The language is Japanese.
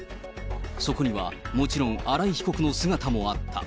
そこには、もちろん新井被告の姿もあった。